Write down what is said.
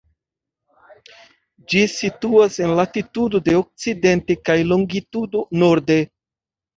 Ĝi situas en latitudo de okcidente kaj longitudo norde.